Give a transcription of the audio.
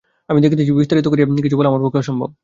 আমি দেখিতেছি, বিস্তারিত করিয়া কিছু বলা আমার পক্ষে অসম্ভব।